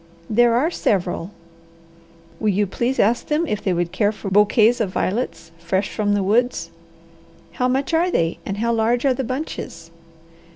"There are several." "Will you please ask them if they would care for bouquets of violets, fresh from the woods?" "How much are they, and how large are the bunches?"